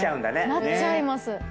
なっちゃいます。